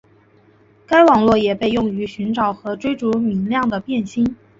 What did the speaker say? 该网络也被用于寻找和追逐明亮的变星。